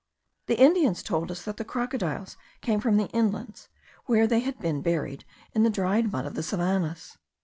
The Indians told us that the crocodiles came from the inlands, where they had been buried in the dried mud of the savannahs.